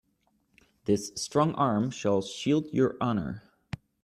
This strong arm shall shield your honor.